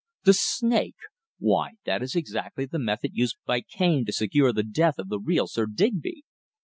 The snake! Why, that is exactly the method used by Cane to secure the death of the real Sir Digby!"